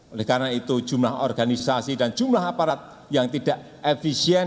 oleh karena itu jumlah organisasi dan jumlah aparat yang tidak efisien